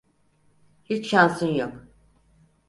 Hiç şansın yok.